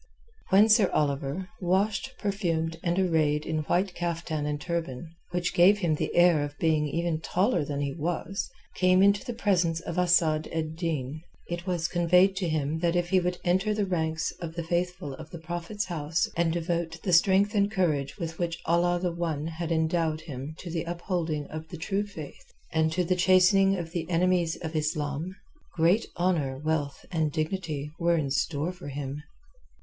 When Sir Oliver, washed, perfumed, and arrayed in white caftan and turban, which gave him the air of being even taller than he was, came into the presence of Asad ed Din, it was conveyed to him that if he would enter the ranks of the Faithful of the Prophet's House and devote the strength and courage with which Allah the One had endowed him to the upholding of the true Faith and to the chastening of the enemies of Islam, great honour, wealth and dignity were in store for him.